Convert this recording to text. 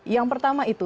yang pertama itu